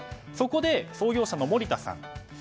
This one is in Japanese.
そこで、創業者の盛田さん